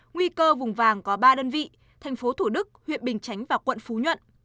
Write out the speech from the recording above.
nguy cơ vùng vàng có ba đơn vị thành phố thủ đức huyện bình chánh và quận phú nhuận